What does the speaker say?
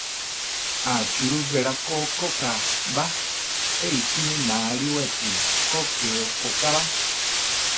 Achúrubi beláko okokába; pe isíini ma aliwáchi ko ké okóʼkaba.